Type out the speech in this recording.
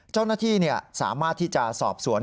เจ้าหน้าที่สามารถที่จะสอบสวน